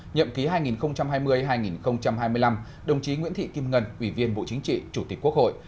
nhậm ký hai nghìn hai mươi hai nghìn hai mươi năm đồng chí nguyễn thị kim ngân ủy viên bộ chính trị chủ tịch quốc hội